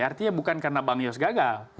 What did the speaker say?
artinya bukan karena bang yos gagal